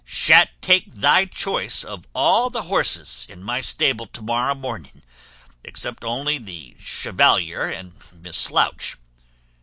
Sha't take thy choice of all the horses in my stable to morrow morning, except only the Chevalier and Miss Slouch."